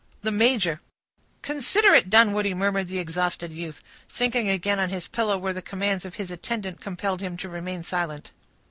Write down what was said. "The major." "Considerate Dunwoodie!" murmured the exhausted youth, sinking again on his pillow, where the commands of his attendant compelled him to remain silent.